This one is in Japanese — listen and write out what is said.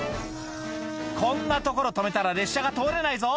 こんな所止めたら列車が通れないぞ！